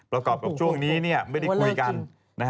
แล้วก็กลับกับช่วงนี้ไม่ได้คุยกัน